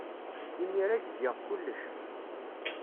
Imir-a, gziɣ kullec.